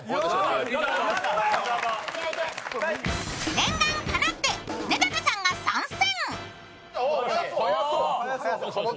念願かなって根建さんが参戦。